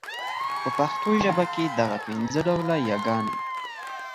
په پښتو ژبه کي دغه پنځه ډوله يې ګاني